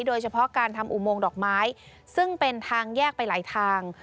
โดยเฉพาะการทำอุโมงดอกไม้ซึ่งเป็นทางแยกไปหลายทาง